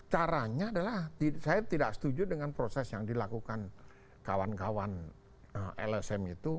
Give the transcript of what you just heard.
caranya adalah saya tidak setuju dengan proses yang dilakukan kawan kawan lsm itu